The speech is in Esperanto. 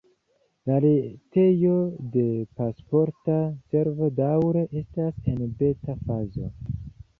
La retejo de Pasporta Servo daŭre estas en beta-fazo.